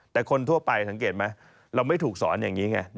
แต่คนทั่วไปสังเกตไหมเราไม่ถูกสอนอย่างนี้ไง